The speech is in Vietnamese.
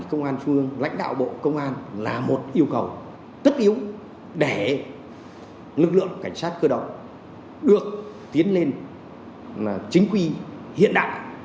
công an phương lãnh đạo bộ công an là một yêu cầu tất yếu để lực lượng cảnh sát cơ động được tiến lên chính quy hiện đại